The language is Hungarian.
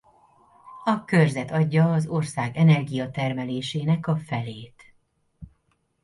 A körzet adja az ország energiatermelésének a felét.